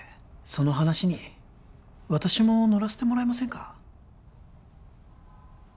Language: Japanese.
その話に私も乗らせてもらえませんか？